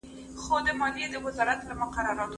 ګوند واک په لاس کي نیولی دی.